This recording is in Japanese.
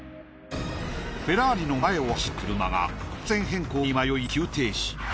フェラーリの前を走る車が車線変更に迷い急停止。